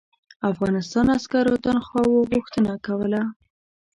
افغانستان عسکرو تنخواوو غوښتنه کوله.